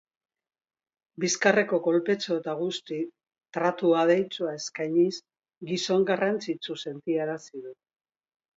Bizkarreko kolpetxo eta guzti, tratu adeitsua eskainiz, gizon garrantzitsu sentiarazi du.